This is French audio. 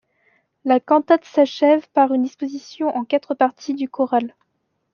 La cantate s'achève par une disposition en quatre parties du choral.